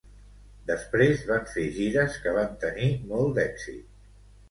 Després van fer gires que van tenir molt d'èxit.